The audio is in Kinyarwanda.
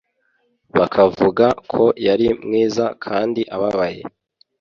bakavuga ko yari mwiza kandi ababaye